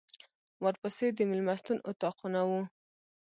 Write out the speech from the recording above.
ورپسې د مېلمستون اطاقونه و.